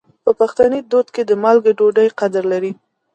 په پښتني دود کې د مالګې ډوډۍ قدر لري.